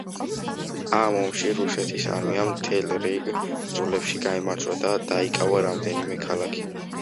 ამ ომში რუსეთის არმიამ მთელ რიგ ბრძოლებში გაიმარჯვა და დაიკავა რამდენიმე ქალაქი.